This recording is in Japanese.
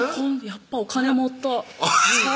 やっぱお金持っとう